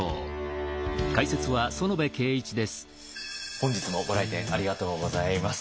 本日もご来店ありがとうございます。